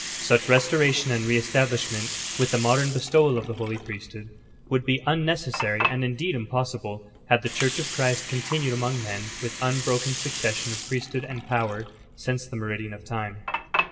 Such restoration and re estabiishment, with the modern bestowal of the Holy Priesthood, would be unnecessary and indeed impossible had the Church of Christ continued among men with unbroken succession of Priest hood and power, since the ''meridian of time."